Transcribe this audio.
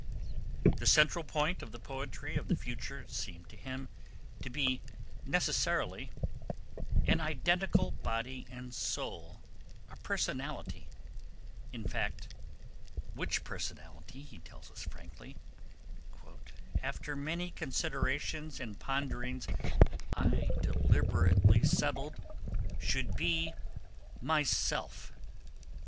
The central point of the poetry of the future seemed to him to be necessarily 'an identical body and soul, a personality,' in fact, which personality, he tells us frankly, 'after many considerations and ponderings I deliberately settled should be myself.'